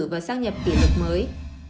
và xác nhập kỷ lực mới